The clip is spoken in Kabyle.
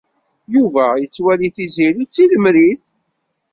Yuba yettwali Tiziri d tilemrit.